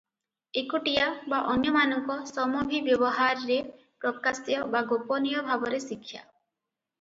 ଏକୁଟିଆ ବା ଅନ୍ୟମାନଙ୍କ ସମଭିବ୍ୟବହାରରେ ପ୍ରକାଶ୍ୟ ବା ଗୋପନୀୟ ଭାବରେ ଶିକ୍ଷା, ।